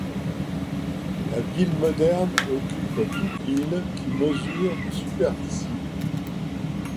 La ville moderne occupe toute l'île qui mesure de superficie.